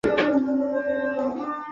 আরে ওই আমেরিকান মেয়ে?